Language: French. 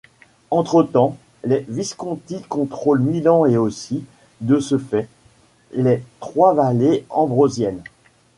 Entretemps, les Visconti contrôlent Milan et aussi, de ce fait, les trois vallées ambrosiennes.